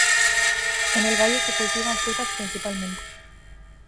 En el valle se cultivan frutas principalmente.